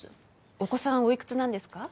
お子さんおいくつなんですか？